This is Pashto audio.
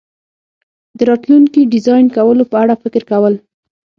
د راتلونکي ډیزاین کولو په اړه فکر کول